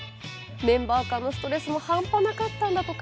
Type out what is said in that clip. メンバー間のストレスも半端なかったんだとか。